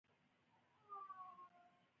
سر که مې څوک غوڅ کړې بيا به رانشمه کور ته